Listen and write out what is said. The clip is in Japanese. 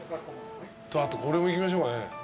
あとこれもいきましょうかね。